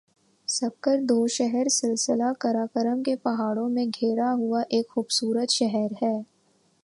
سکردو شہر سلسلہ قراقرم کے پہاڑوں میں گھرا ہوا ایک خوبصورت شہر ہے